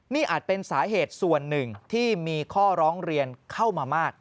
นี่อาจเป็นสาเหตุส่วนหนึ่งที่มีข้อร้องเรียนเข้ามามาก